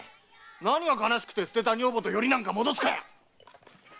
何が悲しくて捨てた女房とヨリなんか戻すか！